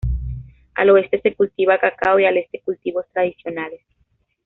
Al oeste se cultiva cacao, y al este, cultivos tradicionales.